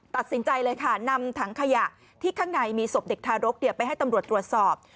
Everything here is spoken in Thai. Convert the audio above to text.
ตัดสินใจเลยค่ะนำถังขยะที่ข้างในมีศพเด็กทารกไปให้ตำรวจตรวจสอบ